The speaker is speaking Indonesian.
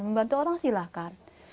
membantu orang silahkan